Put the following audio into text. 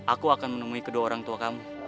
aku akan menemui kedua orang tua kamu